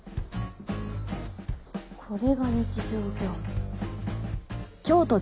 これが日常業務。